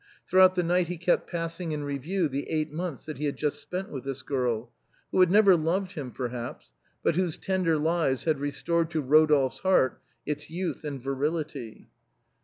Throughout the night he kept passing in review the eight months that he had just spent with this girl, who had never loved him perhaps, but wliose tender lies had restored to Rodolphe's heart its first youth and virility.